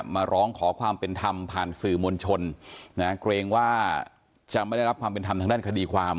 มาร้องขอความเป็นธรรมผ่านสื่อมวลชนนะเกรงว่าจะไม่ได้รับความเป็นธรรมทางด้านคดีความ